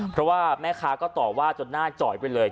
เพราะว่าแม่ค้าก็ต่อว่าจนหน้าจอยไปเลย